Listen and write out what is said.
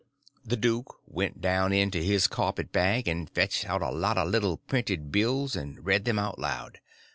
The duke went down into his carpet bag, and fetched up a lot of little printed bills and read them out loud.